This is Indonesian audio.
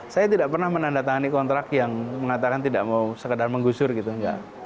saya tidak pernah menandatangani kontrak yang mengatakan tidak mau sekedar menggusur gitu